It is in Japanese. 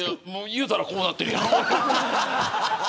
言ったら、こうなってるよ。